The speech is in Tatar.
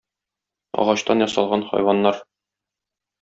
Агачтан ясалган хайваннар